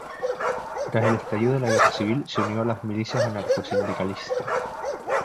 Tras el estallido de la Guerra Civil se unió a las milicias anarcosindicalistas.